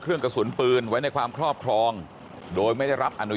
บอกแล้วบอกแล้วบอกแล้วบอกแล้วบอกแล้วบอกแล้วบอกแล้ว